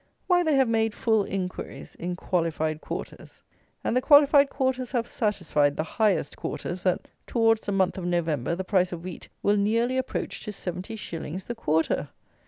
Why, they have made full inquiries "in qualified quarters." And the qualified quarters have satisfied the "highest quarters," that, "towards the month of November, the price of wheat will nearly approach to seventy shillings the quarter!"